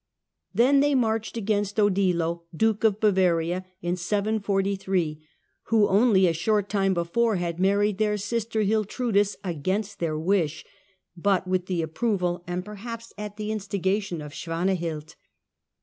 Bavarian Then they marched against Odilo, Duke of Bavaria, expe i ion, w ^ q q ^^ a short time before had married their sister Hiltrudis against their wish, but with the approval, and perhaps at the instigation, of Swanahild.